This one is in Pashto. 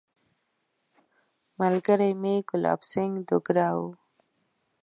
ملګری مې ګلاب سینګهه دوګرا وو.